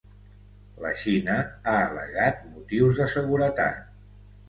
La Xina ha al·legat ‘motius de seguretat’.